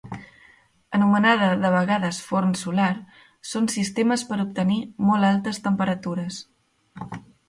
Anomenada de vegades forn solar, són sistemes per obtenir molt altes temperatures.